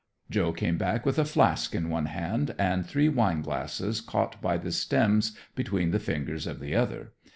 Joe came back with a flask in one hand and three wine glasses caught by the stems between the fingers of the other.